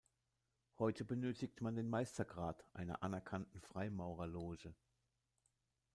Heute benötigt man den Meistergrad einer anerkannten Freimaurerloge.